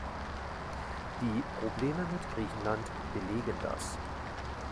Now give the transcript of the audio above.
Die Probleme mit Griechenland belegen das.